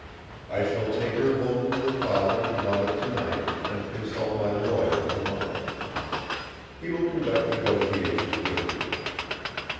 I shall take her home to her father and mother tonight, and consult my lawyer tomorrow. He will conduct negotiations with you.